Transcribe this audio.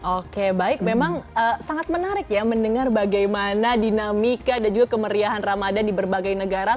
oke baik memang sangat menarik ya mendengar bagaimana dinamika dan juga kemeriahan ramadan di berbagai negara